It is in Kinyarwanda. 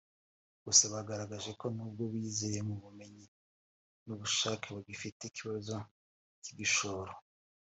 Gusa bagaragaje ko n’ubwo biyizeye mu bumenyi n’ubushake bagifite ikibazo cy’igishoro